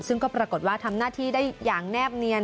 ซึ่งก็ปรากฏว่าทำหน้าที่ได้อย่างแนบเนียน